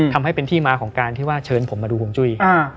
ทำให้เป็นที่มาของการเชิญผมมาดูวงจุ้ย